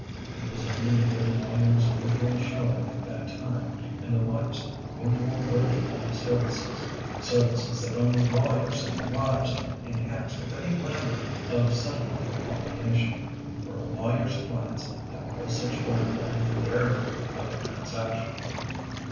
It was only the good lawyer s usual show ing at that time and the wife s usual version of his services; services that only lawyers and their wives en hance with any glamor of sentimental obligation; for a lawyer s clients have no such glamor in their view of the transaction.